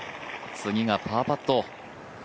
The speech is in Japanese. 次がパーパット。